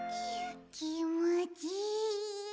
きもちいい。